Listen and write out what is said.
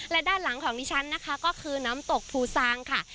และด้านหลังของดิฉันนะคะก็คือน้ำตกภูซางค่ะ